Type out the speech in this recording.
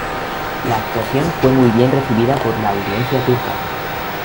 La actuación fue muy bien recibida por la audiencia turca.